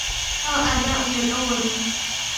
أَوَآبَاؤُنَا الْأَوَّلُونَ